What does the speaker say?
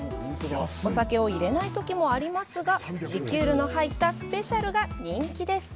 お酒を入れないときもありますがリキュールの入ったスペシャルが人気です。